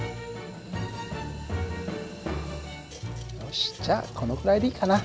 よしじゃあこのくらいでいいかな。